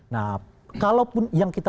nah kalaupun yang kita